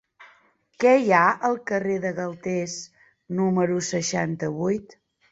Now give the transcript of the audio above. Què hi ha al carrer de Galtés número seixanta-vuit?